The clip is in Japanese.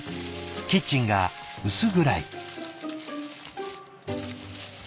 キッチンが薄暗い。